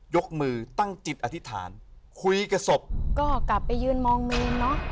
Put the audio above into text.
ยกมือตั้งจิตอธิษฐานคุยกับศพก็กลับไปยืนมองเมนเนอะ